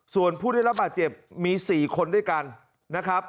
ส่วนผู้ได้รับบาดเจ็บมี๔คนด้วยกันนะครับ